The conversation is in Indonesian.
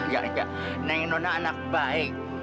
ya nenek nona anak baik